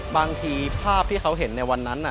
บางทีภาพที่เขาเห็นในวันนั้น